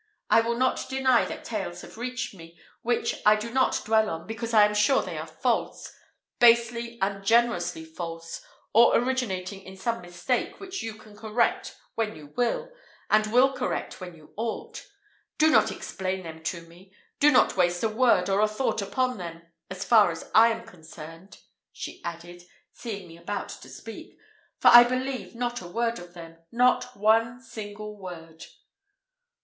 I will not deny that tales have reached me, which I do not dwell on, because I am sure they are false basely, ungenerously false, or originating in some mistake which you can correct when you will, and will correct when you ought. Do not explain them to me do not waste a word or a thought upon them, as far as I am concerned," she added, seeing me about to speak, "for I believe not a word of them not one single word."